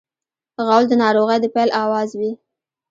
غول د ناروغۍ د پیل اواز وي.